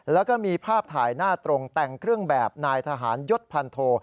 แล้วก็มีภาพถ่ายหน้าตรงแต่งเครื่องแบบนายทหารยศพันโท